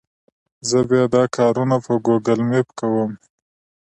زه بیا دا کارونه په ګوګل مېپ کوم.